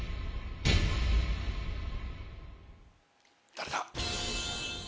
誰だ？